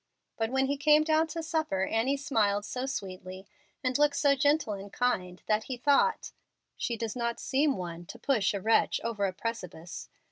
But when he came down to supper, Annie smiled so sweetly and looked so gentle and kind, that he thought, "She does not seem one to push a wretch over a precipice.